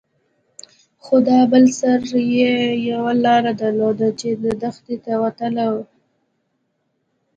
خو دا بل سر يې يوه لاره درلوده چې دښتې ته وتله.